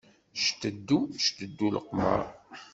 Cteddu, cteddu leqmer.